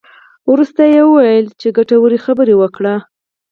وروسته یې وویل چې ګټورې خبرې وکړې.